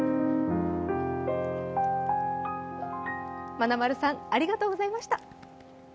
まなまるさん、ありがとうございました。